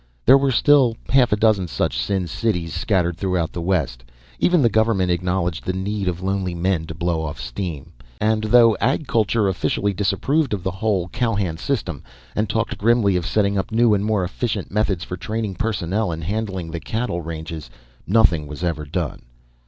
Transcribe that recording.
There were still half a dozen such sin cities scattered throughout the west; even the government acknowledged the need of lonely men to blow off steam. And though Ag Culture officially disapproved of the whole cowhand system, and talked grimly of setting up new and more efficient methods for training personnel and handling the cattle ranges, nothing was ever done.